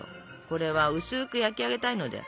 これは薄く焼き上げたいので。